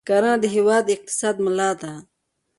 کرنه د هېواد د اقتصاد ملا ده.